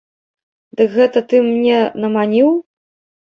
Дык гэта ты мне наманіў?